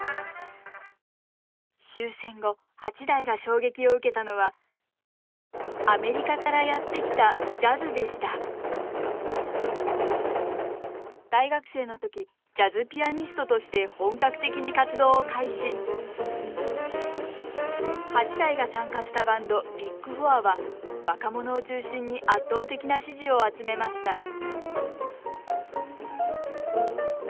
終戦後八大が衝撃を受けたのはアメリカからやって来たジャズでした大学生の時ジャズピアニストとして本格的に活動を開始八大が参加したバンドビッグ・フォアは若者を中心に圧倒的な支持を集めました